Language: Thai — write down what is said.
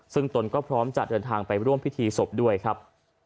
ซึ่งตนก็พร้อมจะเดินทางไปร่วมพิธีศพด้วยครับ